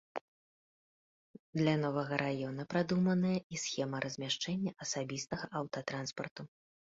Для новага раёна прадуманая і схема размяшчэння асабістага аўтатранспарту.